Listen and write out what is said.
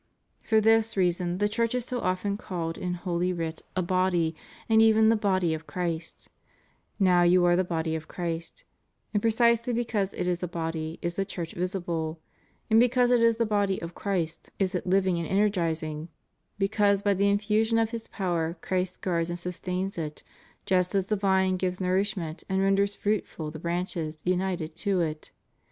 For this reason the Church is so often called in holy writ a body, and even the body of Christ — Now you are the body of Christ '— and precisely because it is a body is the Church visible : and because it is the body of Christ » Rom. X. 17. » Rom. x. 10. * 1 Cor. xii. 27. THE UNITY OF THE CHURCH. 353 is it living and energizing, because by the infusion of His power Christ guards and sustains it, just as the vine gives nourishment and renders fruitful the branches united to it.